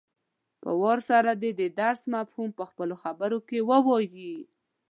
په وار سره دې د درس مفهوم په خپلو خبرو کې ووايي.